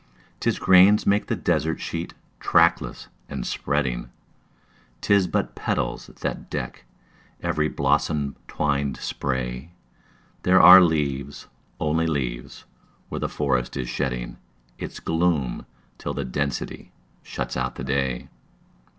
'Tis grains make the desert sheet, trackless and spreading; 'Tis but petals that deck every blossom twinned spray; There are leaves only leaves where the forest is shedding Its gloom till the density shuts out the day.